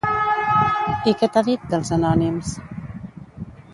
I què t'ha dit, dels anònims?